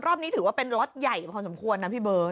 รอบนี้ถือว่าเป็นล็อตใหญ่พอสมควรนะพี่เบิร์ต